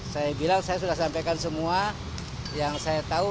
saya bilang saya sudah sampaikan semua yang saya tahu